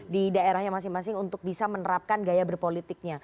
di daerahnya masing masing untuk bisa menerapkan gaya berpolitiknya